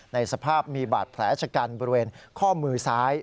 ในสภาพมีบาดแผลชะกันบริเวณข้อมือซ้าย